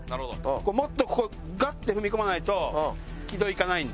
もっとここガッて踏み込まないと軌道いかないんで。